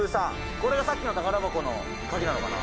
これがさっきの宝箱のカギなのかな？